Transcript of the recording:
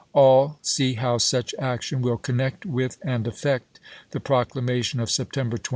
All see how such action will connect with and affect the proclamation of September 22.